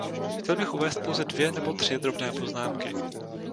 Chtěl bych uvést pouze dvě nebo tři drobné poznámky.